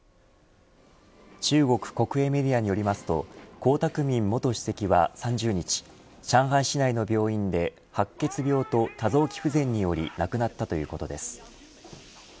中国国営メディアによりますと江沢民元主席は３０日、上海市内の病院で白血病と多臓器不全により亡くなったということです。